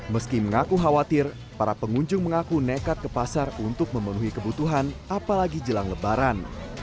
meski mengaku khawatir para pengunjung mengaku nekat ke pasar untuk memenuhi kebutuhan apalagi jelang lebaran